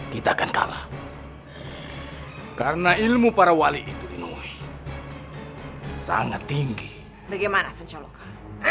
kita akan kalah karena ilmu para wali itu dinoway sangat tinggi bagaimana sencalokan